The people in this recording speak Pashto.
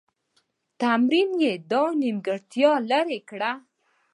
تمرین یې دا نیمګړتیا لیري کړه.